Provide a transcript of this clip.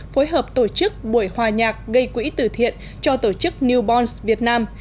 phối hợp tổ chức buổi hòa nhạc gây quỹ từ thiện cho tổ chức new bons việt nam